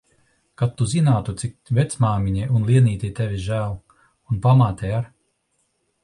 Kad tu zinātu, cik vecmāmiņai un Lienītei tevis žēl. Un pamātei ar.